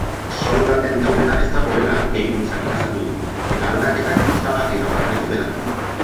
Soldaten tauletan ez dagoela gehikuntzarik azaldu du, eta aldaketak osagarrietan bakarrik daudela.